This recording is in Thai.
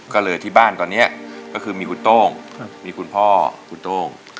ก็เลยที่บ้านตอนนี้ก็คือมีคุณโต้งมีคุณพ่อคุณโต้ง